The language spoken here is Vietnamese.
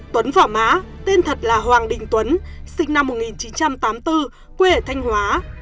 tuấn và má tên thật là hoàng đình tuấn sinh năm một nghìn chín trăm tám mươi bốn quê ở thanh hóa